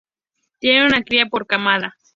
Tienen una cría por camada.